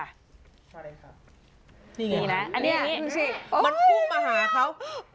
อันนี้มันพุ่งมาหาเค้า